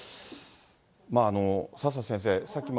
佐々先生、さっきも。